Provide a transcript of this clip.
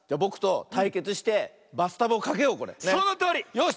よし！